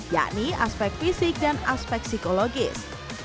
yakni aspek fisik dan aspek psikologis